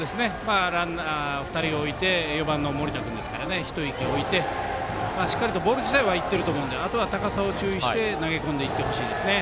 ランナー２人置いて４番の森田君ですから一息置いてしっかりとボール自体はいっていると思うのであとは高さを注意して投げ込んでいってほしいですね。